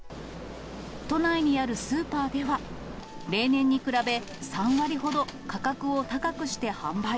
都内にあるスーパーでは、例年に比べ、３割ほど価格を高くして販売。